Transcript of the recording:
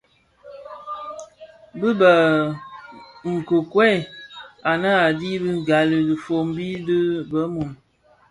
Bi bë nkikuel, anë a dhi bi ghali dhifombi di bëmun.